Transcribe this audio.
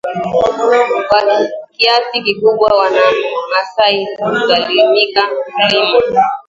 kwa kiasi kikubwa Wamaasai hulazimika kulima